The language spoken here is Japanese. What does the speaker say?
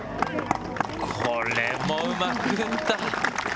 これもうまく打った。